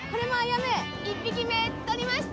１匹目、とりました！